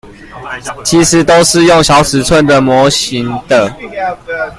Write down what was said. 其實都是用小尺寸的模型的